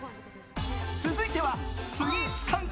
続いてはスイーツ感覚！？？？